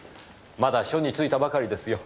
まだ緒に就いたばかりですよ。